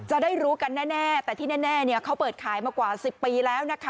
จะได้รู้กันแน่แต่ที่แน่เขาเปิดขายมากว่า๑๐ปีแล้วนะคะ